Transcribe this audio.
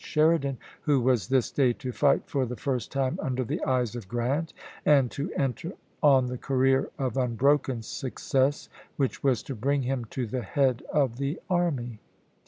Sheridan, who was this day to fight for the first time under the eyes of Grant, and to enter on the career of unbroken success which was to bring him to the head of the army.